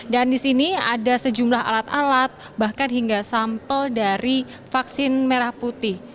dan disini ada sejumlah alat alat bahkan hingga sampel dari vaksin merah putih